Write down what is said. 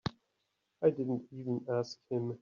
I didn't even ask him.